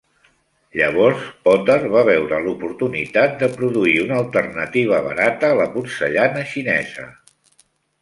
Llavors, Potter va veure l'oportunitat de produir una alternativa barata a la porcellana xinesa.